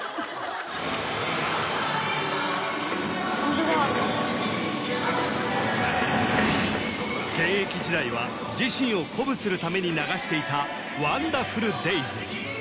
違うでしょ現役時代は自身を鼓舞するために流していた「ワンダフルデイズ」